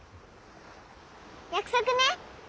約束ね！